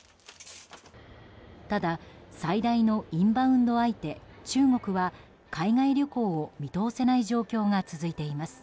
ただ最大のインバウンド相手、中国は海外旅行を見通せない状況が続いています。